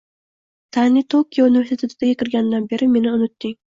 Tani Tokio universitetiga kirganidan beri meni unutding